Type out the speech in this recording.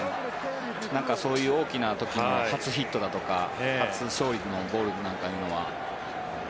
そういう大きな時のヒットだとか初勝利のボールなんかは。